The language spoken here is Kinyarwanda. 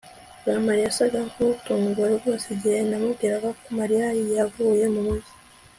jamali yasaga nkuwatunguwe rwose igihe namubwiraga ko mariya yavuye mumujyi